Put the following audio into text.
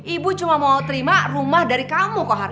ibu cuma mau terima rumah dari kamu kohar